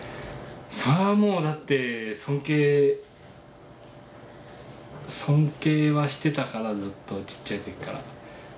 それはもうだって尊敬尊敬はしてたからずっとちっちゃい時から。